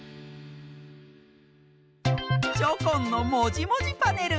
チョコンの「もじもじパネル」！